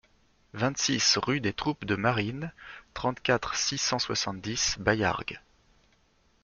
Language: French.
vingt-six rue des Troupes de Marines, trente-quatre, six cent soixante-dix, Baillargues